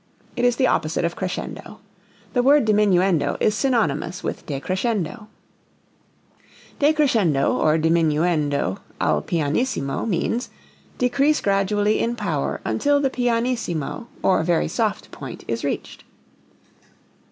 It is the opposite of crescendo. The word diminuendo is synonymous with decrescendo. Decrescendo (or diminuendo) al pianissimo means decrease gradually in power until the pianissimo (or very soft) point is reached.